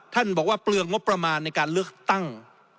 บอกว่าเปลืองงบประมาณในการเลือกตั้ง